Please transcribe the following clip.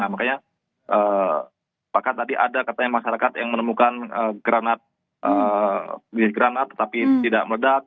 makanya pakat tadi ada katanya masyarakat yang menemukan granat jenis granat tetapi tidak meledak